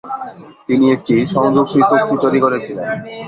তিনি একটি সংযুক্তি চুক্তি তৈরি করেছিলেন।